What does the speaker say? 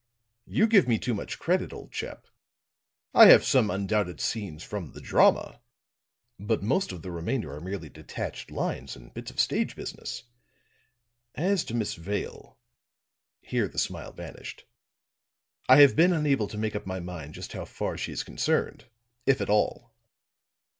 "You give me too much credit, old chap. I have some undoubted scenes from the drama; but most of the remainder are merely detached lines and bits of stage business. As to Miss Vale," here the smile vanished, "I have been unable to make up my mind just how far she is concerned, if at all.